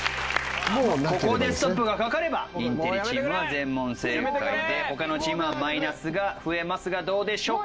ここでストップがかかればインテリチームは全問正解でほかのチームはマイナスが増えますがどうでしょうか？